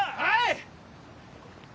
はい！